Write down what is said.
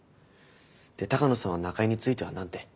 で鷹野さんは中江については何て？